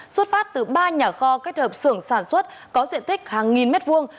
xuất phát từ ba nhà kho kết hợp sưởng sản xuất có diện tích hàng nghìn mét vuông